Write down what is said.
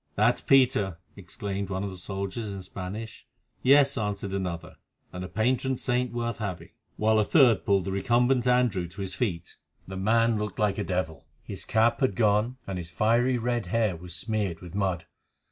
"That's Peter!" exclaimed one of the soldiers in Spanish. "Yes," answered another, "and a patron saint worth having"; while a third pulled the recumbent Andrew to his feet. The man looked like a devil. His cap had gone, and his fiery red hair was smeared with mud.